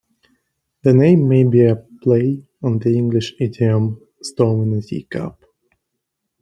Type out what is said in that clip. The name may be a play on the English idiom "storm in a teacup".